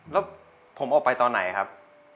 แล้วผมออกไปตอนไหนครับ